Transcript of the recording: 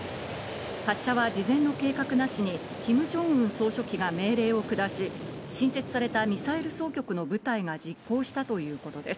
発射は事前の計画なしにキム・ジョンウン総書記が命令を下し、新設されたミサイル総局の部隊が実行したということです。